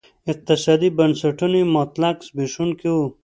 اقتصادي بنسټونه یې مطلق زبېښونکي وو.